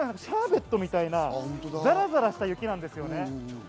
シャーベットみたいな、ざらざらした雪なんですね。